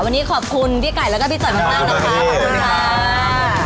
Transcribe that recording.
วันนี้ขอบคุณพี่ไก่แล้วก็พี่จ๋อยมากนะคะขอบคุณค่ะ